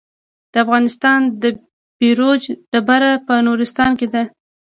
د افغانستان بیروج ډبره په نورستان کې ده